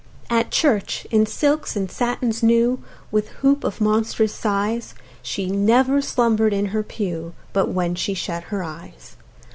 At church, in silks and satins new, With hoop of monstrous size, She never slumber'd in her pew But when she shut her eyes.